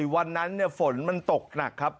วันนั้นฝนมันตกหนักครับ